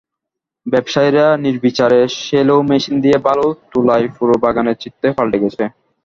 ব্যবসায়ীরা নির্বিচারে shallow machine দিয়ে বালু তোলায় পুরো বাগানের চিত্রই পাল্টে গেছে।